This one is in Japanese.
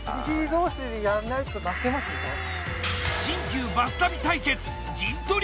新旧バス旅対決陣取り